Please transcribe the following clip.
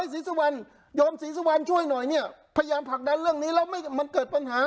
ศรีสุวรรณโยมศรีสุวรรณช่วยหน่อยเนี่ยพยายามผลักดันเรื่องนี้แล้วมันเกิดปัญหา